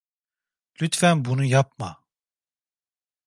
Lütfen bunu yapma.